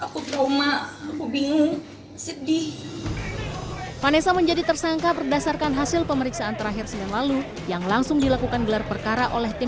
keadaan aku sekarang aku tertekan